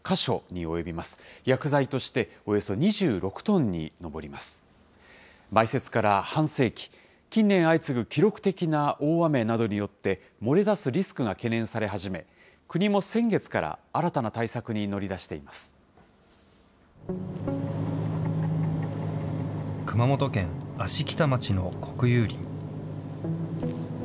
埋設から半世紀、近年相次ぐ記録的な大雨などによって、漏れ出すリスクが懸念され始め、国も先月から新たな対策に乗り出していま熊本県芦北町の国有林。